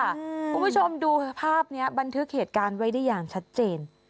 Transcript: คุณผู้ชมดูภาพนี้บันทึกเหตุการณ์ไว้ได้อย่างชัดเจน